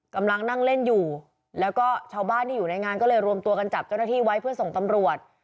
กำลังนั่งเล่นอยู่แล้วก็ชาวบ้านที่อยู่ในงานก็เลยรวมตัวกันจับเจ้าหน้าที่ไว้เพื่อส่งตำรวจ